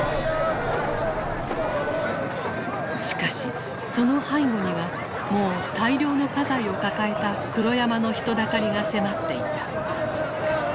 しかしその背後にはもう大量の家財を抱えた黒山の人だかりが迫っていた。